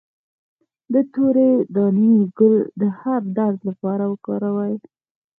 د تورې دانې ګل د هر درد لپاره وکاروئ